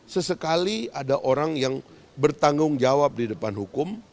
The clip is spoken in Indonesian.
sesekali ada orang yang bertanggung jawab di depan hukum